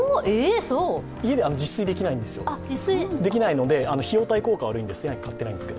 家で自炊できないので費用対効果が悪いので。